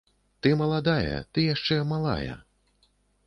Ты маладая, ты яшчэ малая.